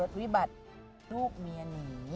วิบัติลูกเมียหนี